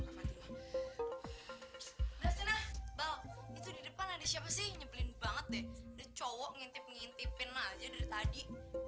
kepadanya itu di depan ada siapa sih nyeblen banget deh cowok ngintip ngintipin aja tadi